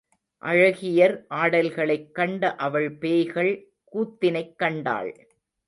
அழகியர் ஆடல்களைக் கண்ட அவள் பேய்கள் கூத்தினைக் கண்டாள்.